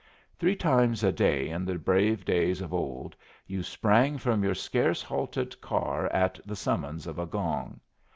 Three times a day in the brave days of old you sprang from your scarce halted car at the summons of a gong.